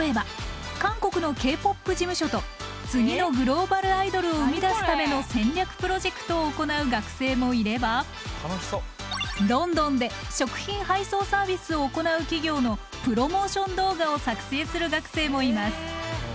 例えば韓国のＫ−ＰＯＰ事務所と次のグローバルアイドルを生み出すための戦略プロジェクトを行う学生もいればロンドンで食品配送サービスを行う企業のプロモーション動画を作成する学生もいます。